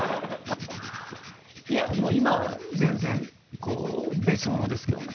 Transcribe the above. いやもう今は全然こう別物ですけどね。